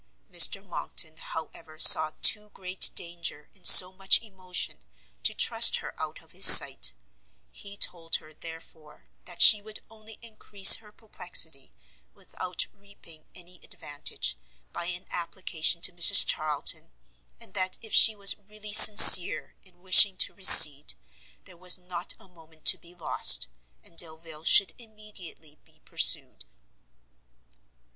Mr Monckton, however, saw too great danger in so much emotion to trust her out of his sight; he told her, therefore, that she would only encrease her perplexity, without reaping any advantage, by an application to Mrs Charlton, and that if she was really sincere in wishing to recede, there was not a moment to be lost, and Delvile should immediately be pursued.